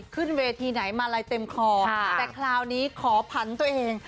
ขึ้นเวทีไหนมาลัยเต็มคอแต่คราวนี้ขอผันตัวเอง